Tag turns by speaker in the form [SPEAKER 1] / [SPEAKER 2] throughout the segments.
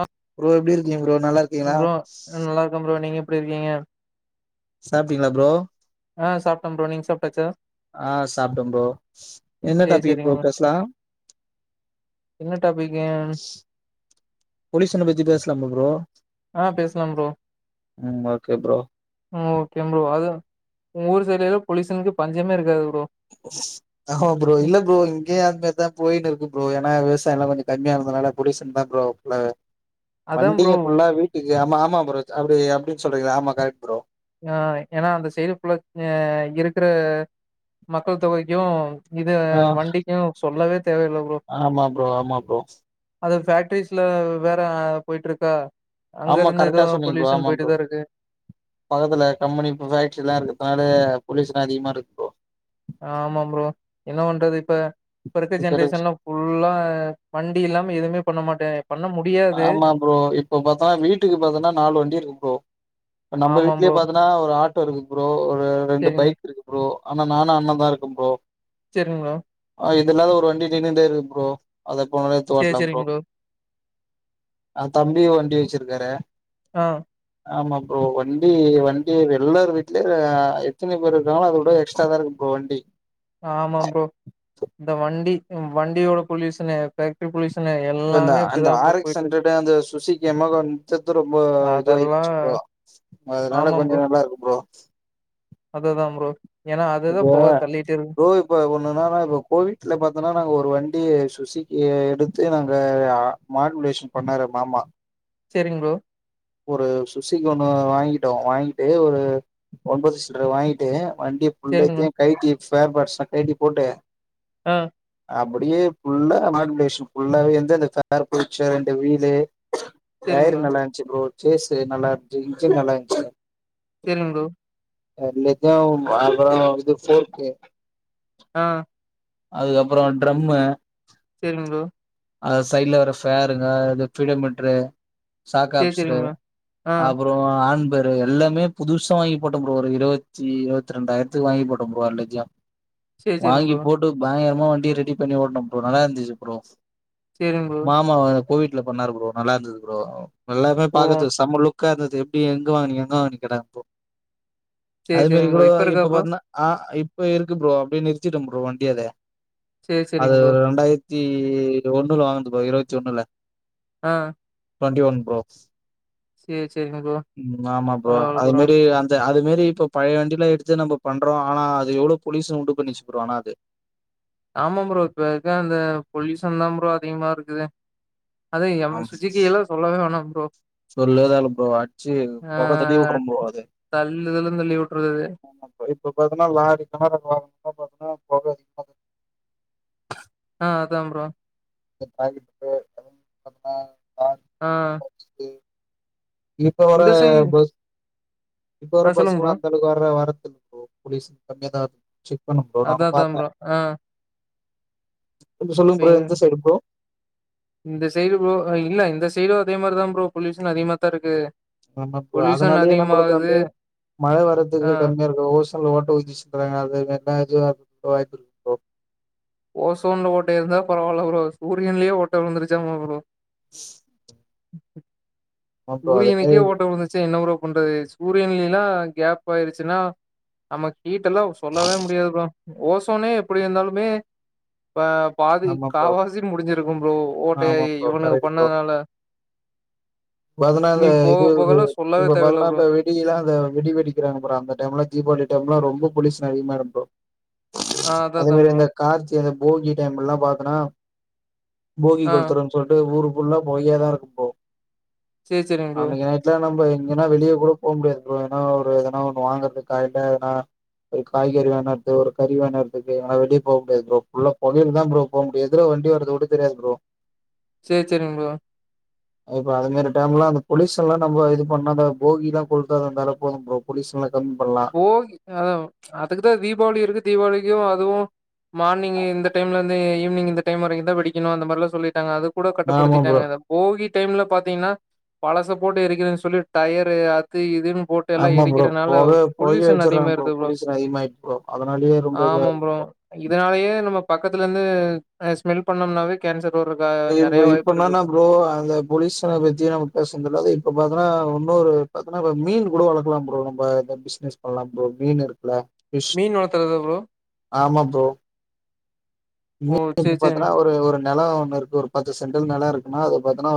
[SPEAKER 1] ஆ
[SPEAKER 2] bro எப்டி இருக்கீங்க bro நல்லாருக்கீங்ளா
[SPEAKER 1] ப்ரோ நல்லா இருக்கே ப்ரோ நீங்க எப்டி இருக்கீங்க
[SPEAKER 2] சாப்ட்டீங்களா ப்ரோ
[SPEAKER 1] ஆ சாப்ட்ட ப்ரோ நீங் சாப்ட்டாச்சா
[SPEAKER 2] ஆஹ் சாப்ட்ட ப்ரோ என்ன
[SPEAKER 1] சேரி
[SPEAKER 2] டாப்பிக் ப்ரோ
[SPEAKER 1] சேரிங்க
[SPEAKER 2] பேஸ்லா
[SPEAKER 1] என்ன டாபிக்கு
[SPEAKER 2] பொலிஷன பத்தி பேஸ்லாமா ப்ரோ
[SPEAKER 1] ஆ பேசலாம் ப்ரோ
[SPEAKER 2] ம் ஓகே ப்ரோ
[SPEAKER 1] ம் ஓகே ப்ரோ அதா உங் ஊரு சைடே தா பொலிஷன்க்கே பஞ்சமே இருக்காது ப்ரோ
[SPEAKER 2] ஆமா ப்ரோ
[SPEAKER 1] ம்
[SPEAKER 2] இல்ல ப்ரோ இங்கயு அந்த மாரி தா போயின்னுருக்கு ப்ரோ என்ன விவசாயல்லா கொஞ்ச கம்மியா இருந்தனால பொலிஷன்ன தா ப்ரோ ஃபுல்லாவே
[SPEAKER 1] அதா ப்ரோ
[SPEAKER 2] வண்டிங்க ஃபுல்லா வீட்டுக்கு ஆமா ஆ மா ப்ரோஜ் அப்டி அப்டின் சொல்றீங்களா ஆமா கரெக்ட் ப்ரோ
[SPEAKER 1] ஆஹ் ஏனா அந்த சைடு ஃபுல்லா ஏ இருக்கற மக்கள் தொகைக்கு இது
[SPEAKER 2] ஆ
[SPEAKER 1] வண்டிக்கு சொல்லவே தேவையில்ல ப்ரோ
[SPEAKER 2] ஆமா ப்ரோ ஆமா ப்ரோ
[SPEAKER 1] அது ஃபேக்ட்ரிஸ்ல வேற போயிட்ருக்கா
[SPEAKER 2] ஆமா
[SPEAKER 1] அங்கருந்து எதோ
[SPEAKER 2] கரெக்டா சொன்னீங்க ப்ரோ
[SPEAKER 1] பொல்யூஷன்
[SPEAKER 2] ஆமா ப்ரோ
[SPEAKER 1] போயிட்டுதாருக்கு
[SPEAKER 2] பக்கத்துல கம்பெனி ஃபேக்டரில்லா இருக்குறதுனால பொலிஷன் அதிகமாருக்கு ப்ரோ
[SPEAKER 1] ஆமா ப்ரோ என்ன பண்றது இப்ப இப்பருக்க
[SPEAKER 2] இப்ப இருக்
[SPEAKER 1] ஜென்ரேஷன்லா ஃபுல்லா வண்டி இல்லாம எதுமே பண்ண மாட்ட
[SPEAKER 2] ஆமா ப்ரோ இப்ப பாத்தனா வீட்டுக்கு பாத்தனா நாலு வண்டி இருக்கு ப்ரோ இப்ப நம்ப
[SPEAKER 1] ஆமா
[SPEAKER 2] வீட்லே
[SPEAKER 1] ப்ரோ
[SPEAKER 2] பாத்தன்னா ஒரு ஆட்டோருக்கு ப்ரோ ஒரு ரெண்டு
[SPEAKER 1] சரிங்க
[SPEAKER 2] பைக் இருக்கு ப்ரோ ஆனா நானு அண்ண தாருக்கே ப்ரோ
[SPEAKER 1] செரிங் ப்ரோ
[SPEAKER 2] ஆ இது இல்லாத ஒரு வண்டி நின்னுட்டேருக்கு ப்ரோ அத எப்ப வேணாலு எத்து
[SPEAKER 1] சரி
[SPEAKER 2] ஓட்லா ப்ரோ
[SPEAKER 1] சரிங்க
[SPEAKER 2] ஆ தம்பியு வண்டி வச்சிருக்காரு
[SPEAKER 1] ஆ
[SPEAKER 2] ஆமா ப்ரோ வண்டி வண்டி எல்லார் வீட்லயு ஆ எத்தினி பேர் இருக்காங்களோ அதோட எக்ஸ்ட்ரா தாருக்கு ப்ரோ வண்டி
[SPEAKER 1] ஆமா ப்ரோ இந்த வண்டி வண்டியோட பொலியூசனே ஃபேக்ட்ரி பொலியூஸ்
[SPEAKER 2] இப்ப இந்த அந்த ஆரெக்ஸ் அண்ட்ரடு அந்த சுசுகி யமகா [unintelligible] ரொம்போ
[SPEAKER 1] அதெல்லா
[SPEAKER 2] இதுவாயிருச் ப்ரோ அதனால கொஞ்சொ நல்லாருக்கு ப்ரோ
[SPEAKER 1] அததா ப்ரோ ஏன்னா அதுதா
[SPEAKER 2] இப்பா
[SPEAKER 1] பொக தள்ளிட்டே இருக்கு
[SPEAKER 2] ப்ரோ இப்பொ ஒண்ணுனானா இப்பொ கோவிட்ல பாத்தோனா நாங்க ஒரு வண்டி சுசிக் கிய எடுத்து நாங்க மாடுலேஷன் பண்ணாரு மாமா
[SPEAKER 1] சேரிங் ப்ரோ
[SPEAKER 2] ஒரு சுசிக் ஒண்ணு வாங்கிட்டோ வாங்கிட்டு ஒரு [unintelligible] வாங்கிட்டு
[SPEAKER 1] சரிங்க ப்ரோ
[SPEAKER 2] வண்டிய [unintelligible] கயட்டி ஸ்பேர்பார்ட்ஸ்லா கயட்டி போட்டு
[SPEAKER 1] ஆ
[SPEAKER 2] அப்புடியே ஃபுல்லா மாடுலேஷன் ஃபுல்லாவே எந்தெந்த ஃபேர் போய்ச்சோ ரெண்டு வீலு
[SPEAKER 1] சரிங்க
[SPEAKER 2] டயரு
[SPEAKER 1] ப்ரோ
[SPEAKER 2] நல்லாயிஞ்சி ப்ரோ ச்சேசு நல்லாயிருஞ்சு இன்ஜின் நல்லாயிருந்துச்சு
[SPEAKER 1] சரிங்க ப்ரோ
[SPEAKER 2] [unintelligible] இது ஃபோர்க்கு
[SPEAKER 1] ஆ
[SPEAKER 2] அதுக்கப்ற ட்ரம்மு
[SPEAKER 1] சேரிங்க ப்ரோ
[SPEAKER 2] ஆ சைட்ல ஒரு ஃபேருங்க இது ஃபீடோ மீட்ரு
[SPEAKER 1] சரி
[SPEAKER 2] சாக்காப்ஸ்ரு
[SPEAKER 1] சரிங்க ப்ரோ ஆ
[SPEAKER 2] அப்புற ஆண் பெரு எல்லாமே புதுசா வாங்கி போட்டே ப்ரோ ஒரு இருவத்தி இருவத்தி ரெண்டாயிரத்துக்கு வாங்கி போட்டே ப்ரோ அல்லத்தியும்
[SPEAKER 1] சரி சரிங்க
[SPEAKER 2] வாங்கி
[SPEAKER 1] ப்ரோ
[SPEAKER 2] போட்டு பயங்கர மா வண்டிய ரெடிப்பண்ணி ஓட்னன் ப்ரோ நல்லாயிருந்து ப்ரோ
[SPEAKER 1] சரிங்க ப்ரோ
[SPEAKER 2] மாமா வ கோவிட்லப் பண்ணாரு ப்ரோ நல்லாருந்தது ப்ரோ அ எல்லாமேப்
[SPEAKER 1] ஓ
[SPEAKER 2] பாக்கத்துக் செம லுக் உக்காந்த பெட்டி எங்க வாங்குனிங் எங்க வாங்குனிங் கேட்டாங் ப்ரோ
[SPEAKER 1] சேரி
[SPEAKER 2] அதுமாரி
[SPEAKER 1] சேரிங் ப்ரோ
[SPEAKER 2] கூடோ
[SPEAKER 1] இப்ப இருக்கா
[SPEAKER 2] இப்பப்
[SPEAKER 1] ப்ரோ
[SPEAKER 2] பாத்னா ஆஹ் ஐ இப்பயிருக்கு ப்ரோ அப்டியே நிறுத்திட்ட ப்ரோ வண்டி அத
[SPEAKER 1] சேரி சேரிங்
[SPEAKER 2] அது
[SPEAKER 1] ப்ரோ
[SPEAKER 2] ரெண்டாயிரத் உம் ஒண்ணுல வாங்ன்து ப்ரோ இருவத்தி ஒண்ணுல
[SPEAKER 1] ஆஹ்
[SPEAKER 2] ட்வென்டி ஒன் ப்ரோ
[SPEAKER 1] சேரிங் ப்ரோ
[SPEAKER 2] உம் ஆமா ப்ரோ
[SPEAKER 1] பரவால்ல
[SPEAKER 2] அது மேரி
[SPEAKER 1] பரவால்ல
[SPEAKER 2] அந்த அது மே இப்பொ பழைய வண்டிலாம் எடுத்து நம்ப பண்றோம் ஆனா அது எவ்ளோப் பொலியூஷன் உண்டுப்பண்ணிச்சு ப்ரோ ஆனா அது
[SPEAKER 1] ஆமாம் ப்ரோ இப்பருக்க அந்த பொல்யூசன் தா ப்ரோ அதிகமாருக்குது அத எம் சுஜிகியலாம் சொல்லவே வேணம்
[SPEAKER 2] சொல்லதால போ அடிச்சு
[SPEAKER 1] ஆ
[SPEAKER 2] பொக தல்லி விட்ரும் ப்ரோ அது
[SPEAKER 1] தள்ளுதலுன்னு தள்ளி விட்டுறது
[SPEAKER 2] ஆம் ப்ரோ இப்ப பாத்தீன்னா லாரி கணரக வாகனலாம் பாத்தீன்னா பொகை அதிகம
[SPEAKER 1] ஆஹ் அதாங்க ப்ரோ
[SPEAKER 2] [unintelligible]
[SPEAKER 1] ஆஹ்
[SPEAKER 2] [inaudible] இப்ப வர பஸ் இப்ப வர
[SPEAKER 1] ஆ சொல்லுங்க ப்ரோ
[SPEAKER 2] பஸ்லலாம் அந்த அளவுக்கு வர வரத்துல்ல ப்ரோ பொலியூசன் கம்மியா தா இருக் ச்சு
[SPEAKER 1] அதா அதாம் ப்ரோ ஆஹ்
[SPEAKER 2] கொஞ்சம் சொல்லுங்க ப்ரோ எந்த சைடு ப்ரோ
[SPEAKER 1] இந்த சைடு ப்ரோ ஆ இல்ல இந்த சைடும் அதே மாரிதா ப்ரோ பொலியூஷன் அதிகமாத்தா இருக்கு
[SPEAKER 2] ஆமா ப்ரோ
[SPEAKER 1] பொல்யூஷன்
[SPEAKER 2] அதனாலயே நம்மளுக்கு
[SPEAKER 1] அதிகமாகுது
[SPEAKER 2] வந்து மழை
[SPEAKER 1] ஆ
[SPEAKER 2] வர்றதுக்கு கம்மியா இருக்கு ஓஷோன்ல ஓட்ட உழுந்துச்சுன்றாங்க அது கேட்டா இருக்கு ப்ரோ
[SPEAKER 1] ஓசோன்ல ஓட்ட இருந்தா பரவால்ல ப்ரோ சூரியன்லயே ஓட்ட விழுந்துருச்சாமா ப்ரோ
[SPEAKER 2] ம்
[SPEAKER 1] [inaudible] சூரியனுக்கே
[SPEAKER 2] மாரி
[SPEAKER 1] ஓட்ட விழுந்துருந்துச்சுனா என்ன ப்ரோ பண்றது சூரியன்லாம் கேப் ஆயிருச்சுன்னா நமக்கு ஹீட்டெல்லாம் சொல்லவே முடியாது ப்ரோ ஓசோனே எப்டி இருந்தாலுமே ப்ப பாதி
[SPEAKER 2] ஆமா ப்ரோ
[SPEAKER 1] காவாசி முடிஞ்சிருக்கும் ப்ரோ
[SPEAKER 2] ஆமா
[SPEAKER 1] ஓட்டையாயி
[SPEAKER 2] ப்ரோ
[SPEAKER 1] இவனுங்க பண்ணதுனால நீ
[SPEAKER 2] பதனாலு
[SPEAKER 1] போக
[SPEAKER 2] இது
[SPEAKER 1] போகல சொல்லவே
[SPEAKER 2] இப்ப
[SPEAKER 1] தேவயில்ல
[SPEAKER 2] பதினா
[SPEAKER 1] ப்ரோ
[SPEAKER 2] வெடிலாம் அ வெடி வெடிக்கிறாங்க பாரு அந்த டைம்ல தீபாவளி டைம்ல ரொம்ப பொலியூஸன் அதிகமாயிரும் ப்ரோ
[SPEAKER 1] ஆ அதா
[SPEAKER 2] அதே
[SPEAKER 1] அதா
[SPEAKER 2] மாரி
[SPEAKER 1] ப்ரோ
[SPEAKER 2] அந்த கார்த்தி அந்த போகி டைம்லாம் பாத்தன்னா போகி
[SPEAKER 1] ஆ
[SPEAKER 2] கொளுத்றோன்னு சொல்ட்டு ஊரு ஃபுல்லா பொகையா தான் இருக்கும் ப்ரோ
[SPEAKER 1] சேரி சேரிங் ப்ரோ
[SPEAKER 2] அன்னைக்கு நைட்லாம் நம்ம இங்கன்னா வெளியே கூட போக முடியாது ப்ரோ ஏன்னா ஒரு ஏதனா ஒண்ணு வாங்கறதுக்கா இல்ல ஏனா ஒரு காய்கறி வாங்கினறது ஒரு கறி வாங்கிணறதுக்கு ஏனா வெளியே போக முடியாது ப்ரோ ஃபுல்லா பொகையில தான் ப்ரோ போக முடியும் எதிர்ல வண்டி வரது கூட தெரியாது ப்ரோ
[SPEAKER 1] சேரி சேரிங்க ப்ரோ
[SPEAKER 2] ஔ அதுமாரி டைம்ல அந்த பொலியூசன்லாம் நம்ம இது பண்ணாத போகிலாம் கொழுத்தாத அந்தால போதும் ப்ரோ பொலியூசன்லா
[SPEAKER 1] போகி ஆஹ் அதுக்குதான் தீபாவளி இருக்கு தீபாவளிக்கும் அதுவும் மார்னிங்கு இந்த டைம்ல இருந்து ஈவ் நீங்க இந்த டைம் வரைக்கும் தான் வெடிக்கனும் அந்த மாரிலாம் சொல்லிட்டாங்க அது கூட
[SPEAKER 2] ஆமா ப்ரோ
[SPEAKER 1] கட்டுப்படுத்திட்டாங்க அந்த போகி டைம்ல பாத்தீங்கன்னா பழச போட்டு எரிக்கிறேன்னு சொல்லி டயரு அது இதுன்னு போட்டு எல்லா
[SPEAKER 2] ஆமா ப்ரோ
[SPEAKER 1] எரிக்கிறனால
[SPEAKER 2] போகப் [inaudible]
[SPEAKER 1] பொல்யூஷன்
[SPEAKER 2] வச்சறாங்க போம்
[SPEAKER 1] அதிகமாயிருது ப்ரோ
[SPEAKER 2] போலுசன் அதிகமாயிட்டு ப்ரோ அதனாலயே ரொம்ப இதுவா
[SPEAKER 1] ஆமா
[SPEAKER 2] இரு
[SPEAKER 1] ப்ரோ இதனாலயே நம்ம பக்கத்துல இருந்து ஸ்மெல் பண்ணோம்னாவே கேன்சர் வர்றக்கு அ
[SPEAKER 2] இ
[SPEAKER 1] நெறைய வாய்ப்பு
[SPEAKER 2] இப்பனா
[SPEAKER 1] இருக்கு
[SPEAKER 2] ந ப்ரோ அந்த பொலீசன பத்தி நம்ம பேச தெல்லது இப்ப பாத்ன்னா இன்னொரு பாத்தன்னா இப்ப மீன் கூட வளக்கலாம் ப்ரோ நம்ம பிசினஸ் பண்ணலாம் ப்ரோ மீன் இருக்குல இஷ்
[SPEAKER 1] மீன் வளர்த்துறதா ப்ரோ
[SPEAKER 2] ஆமா ப்ரோ
[SPEAKER 1] ஓ சேரி
[SPEAKER 2] [inaudible]
[SPEAKER 1] சேரி
[SPEAKER 2] பாத்தன்னா ஒரு ஒரு நெலம் ஒண்ணுருக்கு ஒரு பத்து சென்டல் நெலம் இருக்குன்னா அத பாத்துன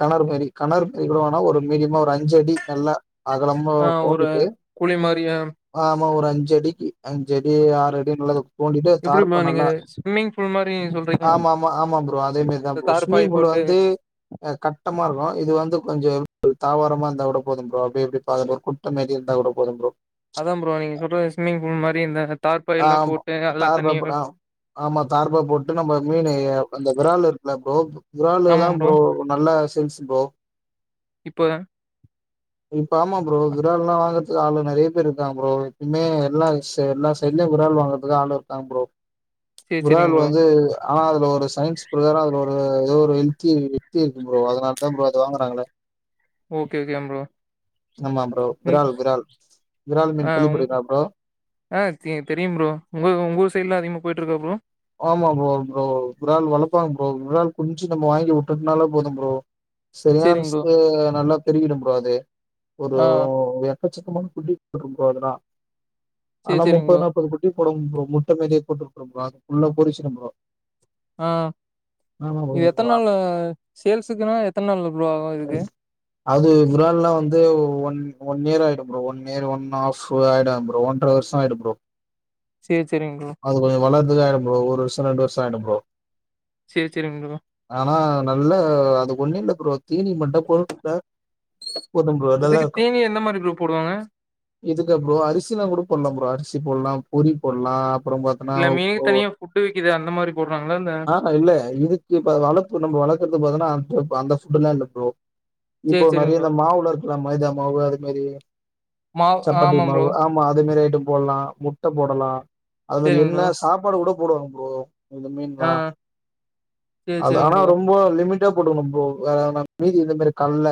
[SPEAKER 2] கலர் மாதிரி கணர் மதி கூட வேனா ஒரு மீடியமா ஒரு அஞ்சு அடி நல்ல அகலமு
[SPEAKER 1] ஆ ஒரு
[SPEAKER 2] தோண்டிட்டு
[SPEAKER 1] குழி மாரி அ
[SPEAKER 2] ஆஹ் சுமா ஒரு அஞ்ச அடிக்கு அஞ்சடி ஆறுடி [unintelligible] போட்டு
[SPEAKER 1] எப்டி
[SPEAKER 2] தார்ப்ப
[SPEAKER 1] ப்ரோ நீங்க
[SPEAKER 2] நல்லா
[SPEAKER 1] ஸ்விம்மிங் பூல் மாரி சொல்றீங்க
[SPEAKER 2] ஆமா ஆமா ஆமா ப்ரோ அதே மாரிதான்
[SPEAKER 1] இந்த
[SPEAKER 2] ப ஸ்விமிங்
[SPEAKER 1] தார்பாய்
[SPEAKER 2] பூல்
[SPEAKER 1] போட்டு
[SPEAKER 2] வந்துஹ் கட்டமா இருக்கும் இது வந்து கொஞ்சம் தாவாரமா இருந்தா கூட போதும் ப்ரோ அப்ப எப்படி பா குட்டமாறி இருந்தா கூட போதும் ப்ரோ
[SPEAKER 1] அதான் ப்ரோ நீங்க சொல்ற ஸ்விம்மிங் பூல் மாரி இந்த
[SPEAKER 2] ஆ
[SPEAKER 1] தார்பாய்ல்லா
[SPEAKER 2] ஆமா
[SPEAKER 1] போட்டு அதுல
[SPEAKER 2] தார்பா
[SPEAKER 1] தண்ணி
[SPEAKER 2] போட ஆமா தார்பா போட்டு நம்ம மீன் அந்த விரால் இருக்கல அரோ விரால தான் ப்ரோ நல்லா சின்ஸ் போ
[SPEAKER 1] இப்போ
[SPEAKER 2] இப்ப ஆமா ப்ரோ விரால் எல்லாம் வாங்கறதுக்கு ஆளு நெறைய பேரு இருக்காங்க ப்ரோ எப்பமே எல்லா ஸ் எல்லா செல்ல விரால் வாங்கறதுக்கு ஆள் இருக்காங்க ப்ரோ
[SPEAKER 1] சேரி சேரிங்க
[SPEAKER 2] விரால்
[SPEAKER 1] ப்ரோ
[SPEAKER 2] வந்து ஆனா அதுல ஒரு சயின்ஸ் பிறகார அதுல ஒரு ஏதோ ஒரு ஹெல்தி வெல்தி இருக்கு ப்ரோ அதனால தா ப்ரோ அது வாங்குறாங்களே
[SPEAKER 1] ஓகே ஓகே ப்ரோ
[SPEAKER 2] ஆமா ப்ரோ.
[SPEAKER 1] ம்
[SPEAKER 2] விரால் விரால். விரால்
[SPEAKER 1] ஆ
[SPEAKER 2] மீன்
[SPEAKER 1] உ
[SPEAKER 2] கேள்விப்பட்டிருக்கீங்களா ப்ரோ
[SPEAKER 1] ஆஹ் தெரியும் ப்ரோ உங்க உங்க ஊ சைடு எலாம் அதிகமா போயிட்டு இருக்கா ப்ரோ
[SPEAKER 2] ஆமா ப்ரோ ப்ரோ விரால் வளப்பங்க ப்ரோ விரால் குஞ்சும்ம வாங்கி விட்டுனால போதும் ப்ரோ
[SPEAKER 1] சேரிங்க ப்ரோ
[SPEAKER 2] சரியானுஸ்க்கு நல்லா தெரிகிடும் ப்ரோ அது ஒரு
[SPEAKER 1] ஆ
[SPEAKER 2] [inaudible] [inaudible] [inaudible] [inaudible] ப்ரோ அதெல்லாம்
[SPEAKER 1] சேரி
[SPEAKER 2] ஆனா
[SPEAKER 1] சேரிங்க
[SPEAKER 2] முப்பது
[SPEAKER 1] ப்ரோ
[SPEAKER 2] நாப்பது குட்டி போடும் ப்ரோ முட்ட மேறியே [unintelligible] [inaudible] உள்ள பொறிச்சுரும் ப்ரோ
[SPEAKER 1] ஆ
[SPEAKER 2] ஆமா
[SPEAKER 1] இது எத்த
[SPEAKER 2] ப்ரோ
[SPEAKER 1] நாள் சேல்ஸ்க்குன்னா எத்த நாள் ப்ரோ ஆகு இதுக்கு
[SPEAKER 2] [unintelligible] அது இரால்லாம் வந்து ஒன் ஒன் இயர் ஆயிடும் bro one year one half ஆயிடும் ப்ரோ ஒன்ற வருஷ ஆயிடும் ப்ரோ
[SPEAKER 1] சேரி சேரிங்க ப்ரோ
[SPEAKER 2] அது கொஞ்சம் வளரதுக்கு ஆயிடும் ப்ரோ ஒரு வருஷம் ரெண்டு வருஷம் [unintelligible] ப்ரோ
[SPEAKER 1] சேரி சேரிங்க ப்ரோ
[SPEAKER 2] ஆனா நல்ல அது ஒன்னு இல்ல ப்ரோ தீனி மட்ட போ டா [unintelligible] போதும் ப்ரோ நல்லா
[SPEAKER 1] இதுக்கு
[SPEAKER 2] இருக்கும்
[SPEAKER 1] தீனி எந்த மாரி ப்ரோ போடுவாங்க
[SPEAKER 2] இதுக்கா ப்ரோ அரிசிலா ஒரு பண்ண ப்ரோ சி போடலா புரி போடலா அப்புற பாத்துன்னா
[SPEAKER 1] இல்ல மீனுக்கு
[SPEAKER 2] ஓ
[SPEAKER 1] தனியா ஃபுட்டு விக்குது அந்த மாரி போடுறாங்களா இல்ல
[SPEAKER 2] ஆஹா இல்ல இதுக்குப் வளத்து நம்ம வளர்க்கறது பாத்தனா [unintelligible] அந்த ஃபுட்டெல்லா இல்ல ப்ரோ இப்போ
[SPEAKER 1] சேரி சேரிங்க
[SPEAKER 2] நறிய
[SPEAKER 1] ப்ரோ
[SPEAKER 2] இந்த மாவுல இருக்கலா மைதா மாவு அது மாரி
[SPEAKER 1] மாவு
[SPEAKER 2] சப்பாத்தி
[SPEAKER 1] ஆமா ப்ரோ
[SPEAKER 2] மாவு ஆமா அது மாரி ஐட்டம் போடலா முட்ட போடலா அதுல
[SPEAKER 1] சேரிங்க ப்ரோ
[SPEAKER 2] என்ன சாப்பாடு கூட போடுவாங்க ப்ரோ இந்த மீன்
[SPEAKER 1] ஆ
[SPEAKER 2] தா
[SPEAKER 1] சேரி
[SPEAKER 2] அது
[SPEAKER 1] சேரிங்க
[SPEAKER 2] ஆனா
[SPEAKER 1] ப்ரோ
[SPEAKER 2] ரொம்ப லிமிட் [unintelligible] ப்ரோ வேற நம்ம மீனுக்கு இந்த மாரி கல்ல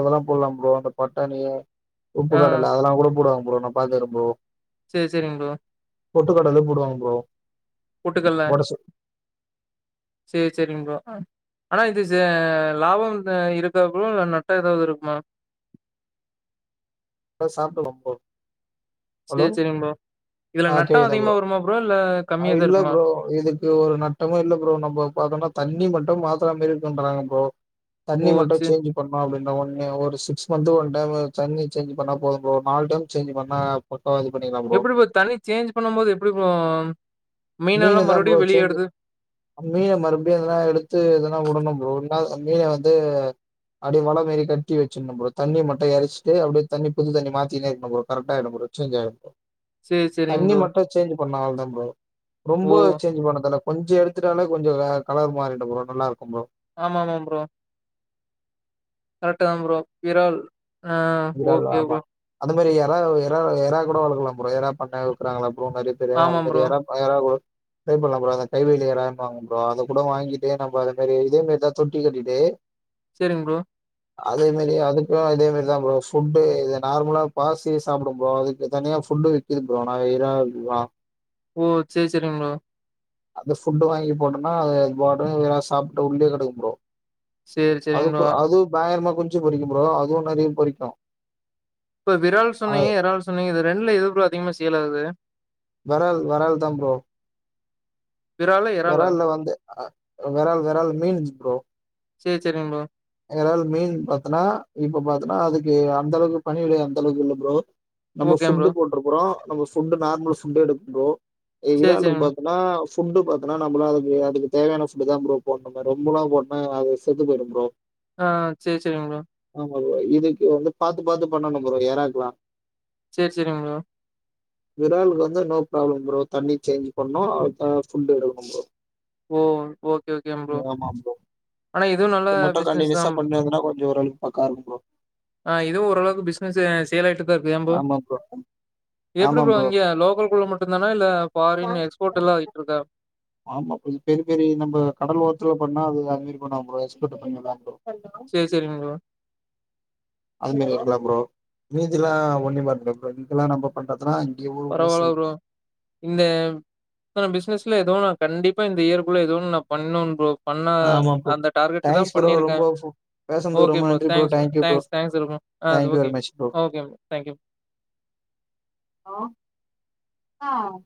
[SPEAKER 2] அதுலபோடல ப்ரோ அந்த பட்டாணி உப்பு
[SPEAKER 1] ஆ
[SPEAKER 2] கடல அதெல்லா கூட போடுவாங்க ஒழுங்கா பாத்துக்குறேன் ப்ரோ
[SPEAKER 1] செரி செரிங் ப்ரோ
[SPEAKER 2] பொட்டு கடல போடுவாங் ப்ரோ
[SPEAKER 1] பொட்டுக்கல
[SPEAKER 2] போட சொ
[SPEAKER 1] செரி செரிங் ப்ரோ அ ஆனா இது ச லாபம் த இருக்கா ப்ரோ இல்ல நட்டொ எதாவது இருக்குமா
[SPEAKER 2] இத சாப்புலாம் ப்ரோ ஹலோ
[SPEAKER 1] சேரி சேரிங் ப்ரோ இதுல
[SPEAKER 2] ஆ
[SPEAKER 1] நட்டோ
[SPEAKER 2] கேக்குதா
[SPEAKER 1] அதிகமா
[SPEAKER 2] ப்ரோ
[SPEAKER 1] வருமா இல்ல
[SPEAKER 2] அ
[SPEAKER 1] கம்மியாதா
[SPEAKER 2] இல்ல
[SPEAKER 1] இருக்குமா
[SPEAKER 2] ப்ரோ இதுக்கு ஒரு நட்டமு இல்ல ப்ரோ நம்ப பாத்தோம்னா தண்ணி மட் மாத்திர மாரி இருக்ன்றாங்க ப்ரோ தண்ணி
[SPEAKER 1] ஓ
[SPEAKER 2] மட்டு
[SPEAKER 1] சே
[SPEAKER 2] சேஞ்ச் பண்னோ அப்டி ந்த ஒன்னே ஒரு சிக்ஸ் மந்த் ஒன் டைம் தண்ணி சேஞ்ச் பண்ணா போது ப்ரோ நாலு டைம் சேஞ்ச் பண்ணா போ போ இது பண்ணிக்கலா ப்ரோ
[SPEAKER 1] எப்டி தண்ணி சேஞ்ச் பண்ணும் போது எப்டி ப்ரோ மீனெல்லா
[SPEAKER 2] மீனுதா ப்ரோ
[SPEAKER 1] மறுபடியு வெளிய
[SPEAKER 2] சேஞ்ச்
[SPEAKER 1] எடுத்து
[SPEAKER 2] மீன மறுபடியு இதல்லா எடுத்து எதனா உடணு ப்ரோ நா மீன வந்து அப்டியே [unintelligible] கட்டி வச்சுடனு ப்ரோ தண்ணிய மட்டும் எரச்சிட்டு அப்டியே தண்ணி புது தண்ணி மாத்தினே இருப்பா ப்ரோ கரக்ட்டா ஆய்டு ப்ரோ சேன்ஜ் ஆய்டு
[SPEAKER 1] சேரி சேரிங்
[SPEAKER 2] தண்ணி
[SPEAKER 1] ப்ரோ
[SPEAKER 2] மட்டு சேஞ்ச் பண்ணு அவ்ளோ ப்ரோ ரொம்ப
[SPEAKER 1] ஓ
[SPEAKER 2] சேஞ்ச் பண்ணதல கொஞ்ச எடுத்துட்டாலே கொஞ்ச வேற கலர் மாறிடும் ப்ரோ நல்லா இருக்கு ப்ரோ
[SPEAKER 1] ஆமாமா ப்ரோ கரெட்டுதா ப்ரோ விரால் ஆ ஓகே ப்ரோ
[SPEAKER 2] அது மாரி எறா எறா எறா கூட வளக்கலா ப்ரோ எறா பண்ண [unintelligible] [unintelligible]
[SPEAKER 1] ஆமா
[SPEAKER 2] அது மாரி
[SPEAKER 1] ப்ரோ
[SPEAKER 2] எறா எறா ஒ ட்ரை பண்ணலாம் ப்ரோ அந்த கைவேல எறாம்பாங்க ப்ரோ அத கூட வாங்கிட்டு நம்ம அதுமாரி இதே மாாரிதா தொட்டி கட்டிட்டு
[SPEAKER 1] சரிங்க ப்ரோ
[SPEAKER 2] அதே மாரி அதுக்கு அதே மாரிதா ப்ரோ ஃபுட்டு இது நார்மலா பாசி சாப்புடும் ப்றோ அதுக்கு தனியா ஃபுட்டு விக்கிது ப்றோ நா இறால் வா
[SPEAKER 1] ஓ செரி செரிங்க ப்ரோ
[SPEAKER 2] அந்த ஃபுட்டு வாங்கி போட்டனா அது அது பாட்கு வெறா சாப்ட்டு உள்ளே கெடக்கும் ப்ரோ
[SPEAKER 1] சேரி சேரிங் ப்ரோ
[SPEAKER 2] அதுக்கு அது [unintelligible] குஞ்சு பொறிக்கும் ப்ரோ அதுவும் நெறைய பொறிக்கு
[SPEAKER 1] இப்ப விறால் சொன்னீங்க இறால் சொன்னீங்க இது ரெண்ல எது ப்ரோ அதிகமா சேல் ஆகுது
[SPEAKER 2] வெறால் வெறால்தா ப்ரோ
[SPEAKER 1] விராலா எறாலா
[SPEAKER 2] வெறால்ல வந்து அ வெறால் வெறால் மீன் ப்ரோ
[SPEAKER 1] செரி செரிங் ப்ரோ
[SPEAKER 2] எறால் மீன் பாத்தனா இப்ப பாத்தனா அதுக்கு அந்த அளவுக்கு பணிவிடை அந்த அளவுக்கு இல்ல ப்ரோ நம்ம
[SPEAKER 1] ஓகே ப்ரோ.
[SPEAKER 2] ஃபுட்டு போட்டுருக்குறோ நம்ம சுண்டு நார்மல் சுண்ட எடுக் ப்ரோ ஏ
[SPEAKER 1] சரி, சரிங்க
[SPEAKER 2] இறாலுக்
[SPEAKER 1] ப்ரோ.
[SPEAKER 2] பாத்தனா ஃபுட்டு பாத்தோனா நம்பதா அதுக்கு, அதுக்கு தேவையான ஃபுட்டுதா ப்ரோ போடனுமே ரொம்பலா போட்னா அது செத்து போயிடும் ப்ரோ
[SPEAKER 1] ஆ சரி, சரிங்க ப்ரோ.
[SPEAKER 2] [unintelligible] இதுக்கு வந்து பாத்து பாத்து பன்னணும் ப்றோ எறாக்குலா
[SPEAKER 1] சரி சரிங் ப்ரோ
[SPEAKER 2] விறாலுக்கு வந்து நோ ப்ராப்ளம் ப்ரோ தண்ணி சேஞ்ச் பண்ணும் அதுக்கான ஃபுட் எடுக்கணும் ப்ரோ
[SPEAKER 1] ஓ ஓகே ஓகே ப்ரோ ஆனா இதுவும் நல்ல பிஸ்
[SPEAKER 2] கண்டினுசா பண்னேங்கன்னா கொஞ்சோ ஒரு அளவுக்கு பக்கா இருக்கும் ப்ரோ
[SPEAKER 1] [unintelligible] இப்படித்த இருக்கும் ஏன் ப்ரோ எப்படி ப்ரோ இங்க லோக்கல் குள்ள மட்டும்தானா இல்ல ஃபாரின் எக்ஸ்போர்ட் எல்லா ஆய்ட்டுருக்கா
[SPEAKER 2] பெரி பெரி நம்ப கடல்ஓரத்துல பண்ணா அது அது மாறி ப்ரோ நம்ம எக்ஸ்போர்ட் பண்ணுல ப்ரோ
[SPEAKER 1] செரி செரிங் ப்ரோ
[SPEAKER 2] அதுமாறி இருக்குதா ப்ரோ மீதில்லா ஒன்னி [unintelligible] ப்ரோ இதுல்லா நம்ம பண்ற
[SPEAKER 1] பரவால ப்ரோ இந்த இத்தன பிஸ்னஸ் துல ஏதோ நான் கண்டிப்பா இந்த இயர்குள்ள ஏதோ ஒன்னு நான் பண்ணுன் ப்ரோ பண்ண
[SPEAKER 2] ஆமா ப்ரோ
[SPEAKER 1] அந்த டார்கெட்டு் தான்
[SPEAKER 2] தேங்க்ஸ் ப்ரோ
[SPEAKER 1] பண்ணியிருக்கேன்
[SPEAKER 2] ரொம்ப பேசனதுக்கு
[SPEAKER 1] ஓகே
[SPEAKER 2] ரொம்ப
[SPEAKER 1] பிரதர்
[SPEAKER 2] நன்றி bro
[SPEAKER 1] thanks brother
[SPEAKER 2] thank you bro
[SPEAKER 1] thanks thanks welcome ஆது
[SPEAKER 2] thank you
[SPEAKER 1] okay
[SPEAKER 2] very much bro
[SPEAKER 1] okay thank you
[SPEAKER 2] ah